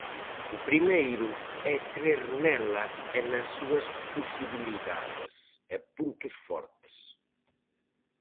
O primeiro é crer nela e nas súas posibilidades e puntos fortes.